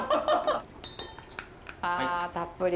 ああたっぷり。